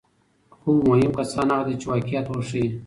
خو مهم کسان هغه دي چې واقعیت وښيي.